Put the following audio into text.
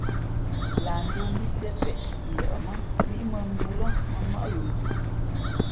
Lah ndōō mbí Sié peʼ ndαʼmά líʼ mᾱᾱndōō lά mᾱ mmάʼ yo nju.